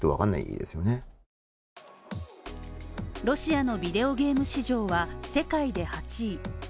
ロシアでのビデオゲーム市場は世界で８位。